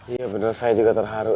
iya benar saya juga terharu